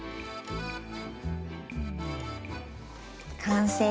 完成。